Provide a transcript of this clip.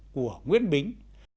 của nguyễn bính